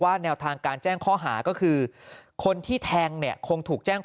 แนวทางการแจ้งข้อหาก็คือคนที่แทงเนี่ยคงถูกแจ้ง